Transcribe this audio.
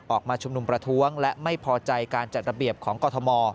ออกมาชุมนุมประท้วงและไม่พอใจการจัดระเบียบของกรทม